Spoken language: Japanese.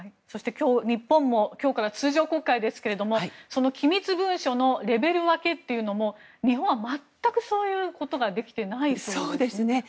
日本も今日から通常国会ですけれども機密文書のレベル分けというのも日本は全くそういうことができてないですよね。